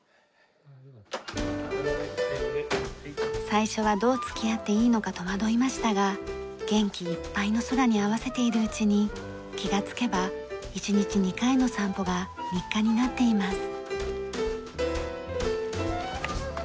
最初はどう付き合っていいのか戸惑いましたが元気いっぱいのソラに合わせているうちに気がつけば１日２回の散歩が日課になっています。